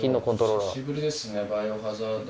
久しぶりですね『バイオハザード』。